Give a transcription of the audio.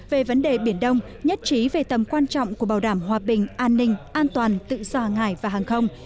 về vấn đề biển đông nhất trí về tầm quan trọng của bảo đảm hòa bình an ninh an toàn tự do hải và hàng không